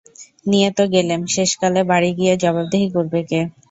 নিয়ে তো গেলেম, শেষকালে বাড়ি গিয়ে জবাবদিহি করবে কে।